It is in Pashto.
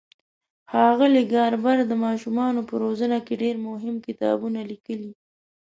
ښاغلي ګاربر د ماشومانو په روزنه کې ډېر مهم کتابونه لیکلي.